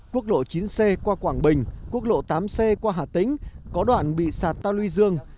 quốc lộ chín c qua quảng bình quốc lộ tám c qua hà tĩnh có đoạn bị sạt ta luy dương